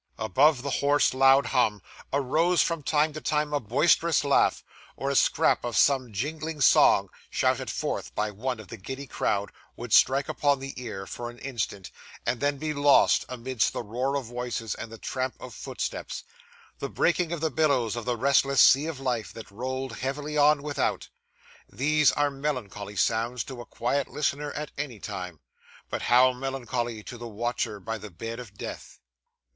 Above the hoarse loud hum, arose, from time to time, a boisterous laugh; or a scrap of some jingling song, shouted forth, by one of the giddy crowd, would strike upon the ear, for an instant, and then be lost amidst the roar of voices and the tramp of footsteps; the breaking of the billows of the restless sea of life, that rolled heavily on, without. These are melancholy sounds to a quiet listener at any time; but how melancholy to the watcher by the bed of death!